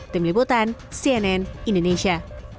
tim liputan cnn indonesia